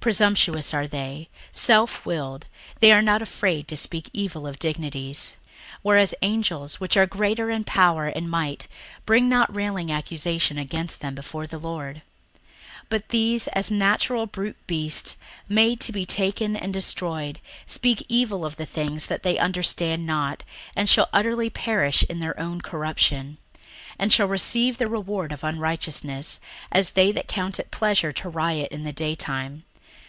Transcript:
Presumptuous are they, selfwilled, they are not afraid to speak evil of dignities. 61:002:011 Whereas angels, which are greater in power and might, bring not railing accusation against them before the Lord. 61:002:012 But these, as natural brute beasts, made to be taken and destroyed, speak evil of the things that they understand not; and shall utterly perish in their own corruption; 61:002:013 And shall receive the reward of unrighteousness, as they that count it pleasure to riot in the day time.